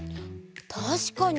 たしかに！